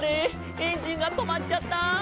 エンジンがとまっちゃった！」